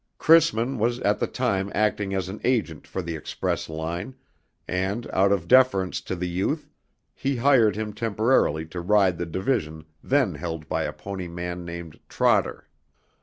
Chrisman was at the time acting as an agent for the express line, and, out of deference to the youth, he hired him temporarily to ride the division then held by a pony man named Trotter.